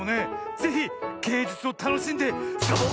ぜひげいじゅつをたのしんでサボッ